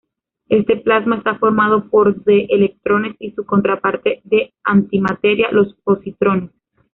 Este plasma está formado por de electrones y su contraparte de antimateria, los positrones.